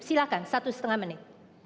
silahkan satu setengah menit